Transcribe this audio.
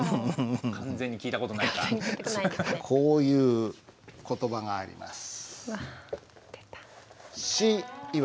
こういう言葉があります。